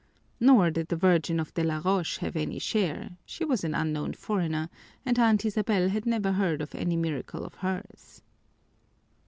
Nor did the Virgin of Delaroche have any share; she was an unknown foreigner, and Aunt Isabel had never heard of any miracle of hers.